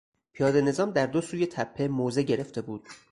پیاده نظام در دو سوی تپه موضع گرفته بود.